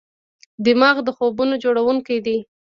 دماغ د خوبونو جوړونکی دی.